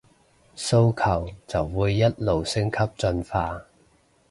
訴求就會一路升級進化